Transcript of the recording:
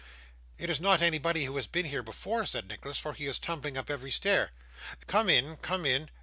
'It is not anybody who has been here before,' said Nicholas, 'for he is tumbling up every stair. Come in, come in.